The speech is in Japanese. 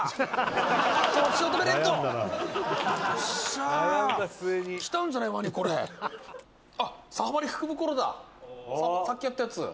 「さっきやったやつ」